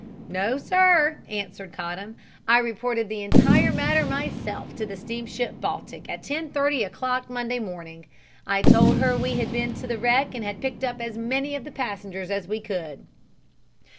"No, sir," answered Cottam. "I reported the entire matter myself to the steamship Baltic at 10.30 o'clock Monday morning. I told her we had been to the wreck and had picked up as many of the passengers as we could."